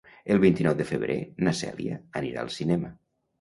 El vint-i-nou de febrer na Cèlia anirà al cinema.